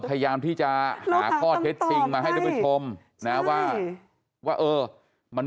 พยายามที่จะหาข้อเท็จจริงมาให้ท่านผู้ชมนะว่าว่าเออมัน